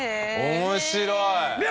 面白い。